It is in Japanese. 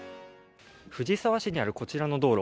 藤沢市にあるこちらの道路。